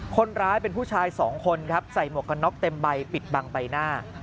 คนร้ายเป็นผู้ชายสองคนครับใส่หมวกกันน็อกเต็มใบปิดบังใบหน้า